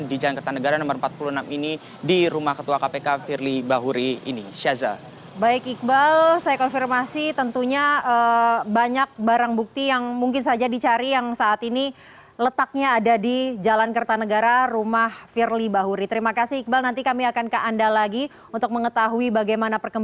di jalan kertanegara nomor empat puluh enam ini di rumah ketua kpk firly bahuri ini